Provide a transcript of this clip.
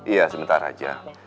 iya sebentar aja